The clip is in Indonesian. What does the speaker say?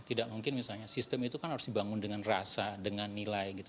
tidak mungkin misalnya sistem itu kan harus dibangun dengan rasa dengan nilai gitu